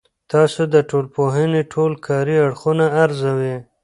تاسو د ټولنپوهنې ټول کاري اړخونه ارزوي؟